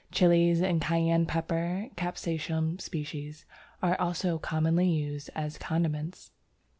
Chillies and Cayenne Pepper (Capsicum spp.) are also commonly used as condiments.